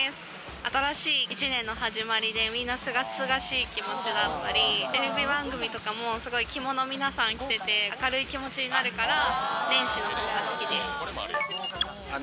新しい一年の始まりで、みんなすがすがしい気持ちだったり、テレビ番組とかも、すごい、きものみなさんきてて明るい気持ちになるから、年始のほうが好きです。